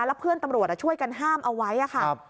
แล้วเพื่อนตำรวจช่วยกันห้ามเอาไว้ค่ะ